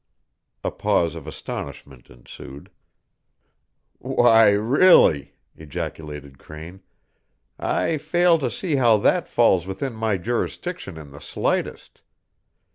A pause of astonishment ensued. "Why, really," ejaculated Crane, "I fail to see how that falls within my jurisdiction in the slightest.